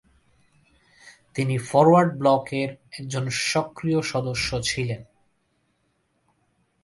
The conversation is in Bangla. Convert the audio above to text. তিনি ফরোয়ার্ড ব্লকের একজন সক্রিয় সদস্য ছিলেন।